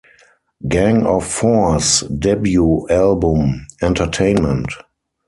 Gang of Four's debut album Entertainment!